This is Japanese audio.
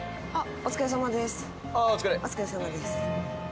お疲れさまです。